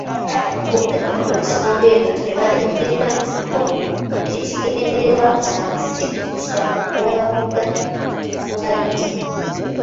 Boogedde ku nsonga eno ne bategeeza nti bo ekigendererwa kyabwe si kyakuwaabira Mubajje .